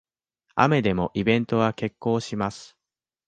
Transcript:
雨でもイベントは決行します